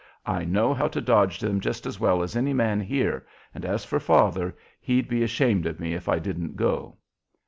"I know how to dodge them just as well as any man here, and, as for father, he'd be ashamed of me if I didn't go."